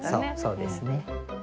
そうですね。